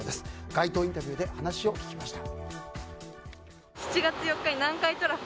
街頭インタビューで話を聞きました。